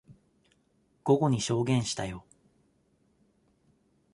午後に証言したよ。